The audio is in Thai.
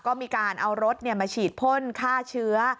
ก็มีการเอารถมาฉีดพ่นฆ่าเชื้อ